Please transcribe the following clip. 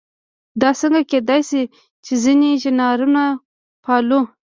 دا څنګه کېدای شي چې ځینې ژانرونه پالو.